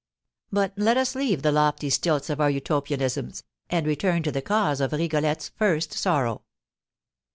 But let us leave the lofty stilts of our utopianisms, and return to the cause of Rigolette's first sorrow.